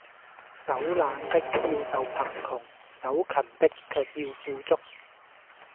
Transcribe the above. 手懶的，要受貧窮；手勤的，卻要富足。